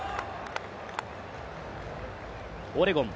オレゴン